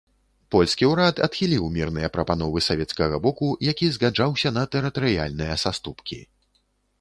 Польскі ўрад адхіліў мірныя прапановы савецкага боку, які згаджаўся на тэрытарыяльныя саступкі.